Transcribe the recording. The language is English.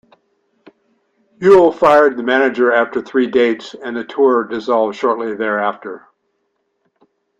Yule fired the manager after three dates and the tour dissolved shortly thereafter.